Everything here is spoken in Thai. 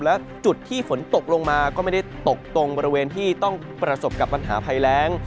และจุดที่ฝนตกลงมาก็ไม่ได้ตกตรงบริเวณที่ต้องประสบกับปัญหาภัยแรง